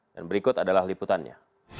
dan berikut adalah liputannya